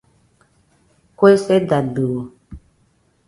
Kue sedadio.